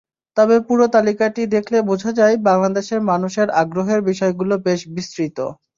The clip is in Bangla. তবে পুরো তালিকাটি দেখলে বোঝা যায়, বাংলাদেশের মানুষের আগ্রহের বিষয়গুলো বেশ বিস্তৃত।